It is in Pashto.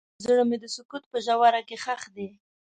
زړه مې د سکوت په ژوره کې ښخ دی.